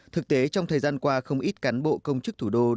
thực tế trong thời gian qua không ít cán bộ công chức thủ đô